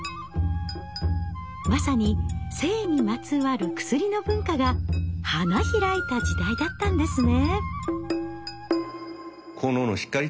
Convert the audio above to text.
まさに性にまつわる薬の文化が花開いた時代だったんですね。